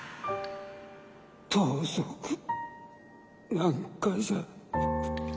盗賊なんかじゃねえ。